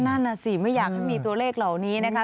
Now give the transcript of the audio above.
นั่นน่ะสิไม่อยากให้มีตัวเลขเหล่านี้นะคะ